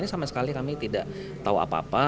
sama sekali kami tidak tahu apa apa